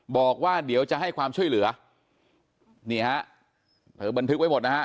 บอกว่าเดี๋ยวจะให้ความช่วยเหลือนี่ฮะเธอบันทึกไว้หมดนะฮะ